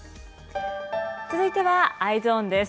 続いてはＥｙｅｓｏｎです。